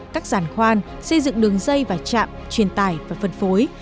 các giàn khoan xây dựng đường dây và chạm truyền tải và phân phối